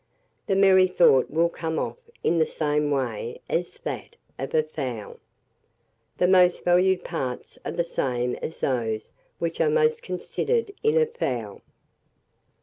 The merrythought will come off in the same way as that of a fowl. The most valued parts are the same as those which are most considered in a fowl.